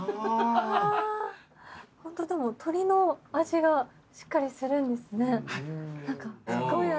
ホントでも鶏の味がしっかりするんですね。